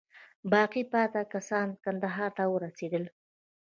باقي پاته کسان یې کندهار ته ورسېدل.